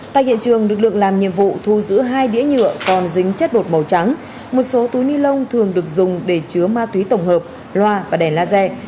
tại hiện trường lực lượng làm nhiệm vụ thu giữ hai đĩa nhựa còn dính chất bột màu trắng một số túi ni lông thường được dùng để chứa ma túy tổng hợp loa và đèn laser